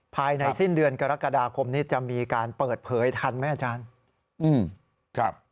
ภายในสิ้นเดือนกรกฎาคมนี้จะมีการเปิดเผยทันไหมอาจารย์